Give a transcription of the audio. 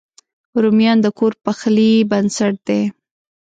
رومیان د کور پخلي بنسټ دی